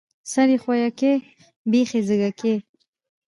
ـ سر يې ښويکى، بېخ يې زيږکى.